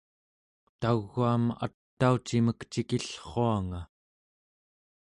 tau͡gaam ataucimek cikillruanga